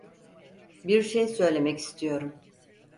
Bir şey söylemek istiyorum.